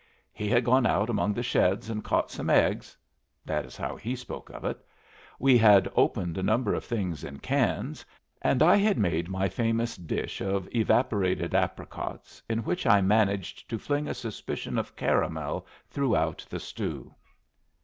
He had gone out among the sheds and caught some eggs (that is how he spoke of it), we had opened a number of things in cans, and I had made my famous dish of evaporated apricots, in which I managed to fling a suspicion of caramel throughout the stew.